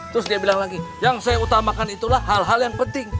terus dia bilang lagi yang saya utamakan itulah hal hal yang penting